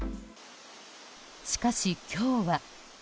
しかし、今日は。